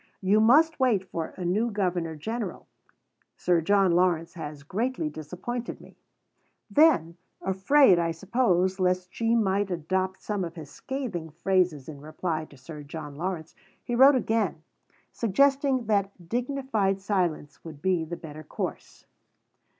"You must wait for a new Governor General. Sir John Lawrence has greatly disappointed me." Then, afraid, I suppose, lest she might adopt some of his scathing phrases in replying to Sir John Lawrence, he wrote again, suggesting that dignified silence would be the better course.